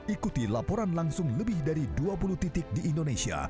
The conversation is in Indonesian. ikuti laporan langsung lebih dari dua puluh titik di indonesia